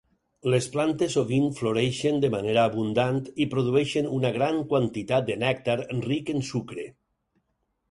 Les plantes sovint floreixen de manera abundant i produeixen una gran quantitat de nèctar ric en sucre.